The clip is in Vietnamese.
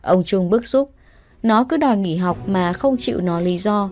ông trung bức xúc nó cứ đòi nghỉ học mà không chịu nó lý do